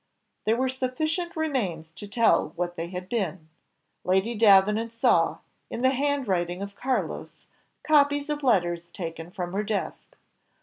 There were sufficient remains to tell what they had been. Lady Davenant saw, in the handwriting of Carlos, copies of letters taken from her desk.